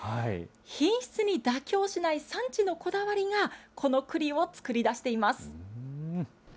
品質に妥協しない産地のこだわりが、このくりを作り出しています。